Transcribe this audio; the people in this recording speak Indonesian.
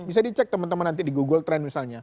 bisa dicek teman teman nanti di google trend misalnya